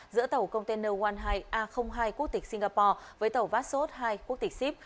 giữa tàu container một hai a hai quốc tịch singapore với tàu vassos ii quốc tịch sip